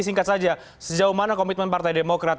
singkat saja sejauh mana komitmen partai demokrat